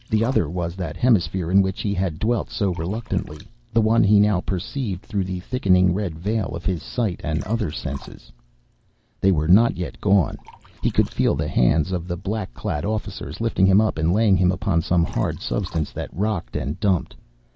The other was that hemisphere in which he had dwelt so reluctantly, the one he now perceived through the thickening red veil of his sight and other senses. They were not yet gone. He could feel the hands of the black clad officers lifting him up and laying him upon some hard substance that rocked and dumped.